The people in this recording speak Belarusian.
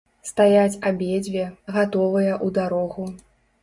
Стаяць абедзве, гатовыя ў дарогу.